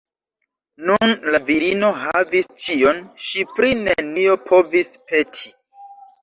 Nun la virino havis ĉion, ŝi pri nenio povis peti.